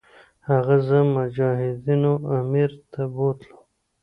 هغه زه مجاهدینو امیر ته بوتلم.